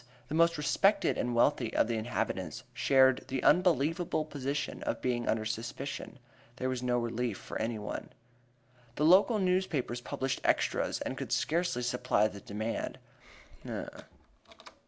The most respected and wealthy of the inhabitants shared the unenviable position of being under suspicion; there was no relief for anyone. The two local newspapers published "extras," and could scarcely supply the demand.